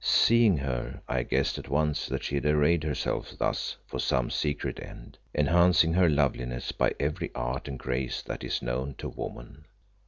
Seeing her I guessed at once that she had arrayed herself thus for some secret end, enhancing her loveliness by every art and grace that is known to woman.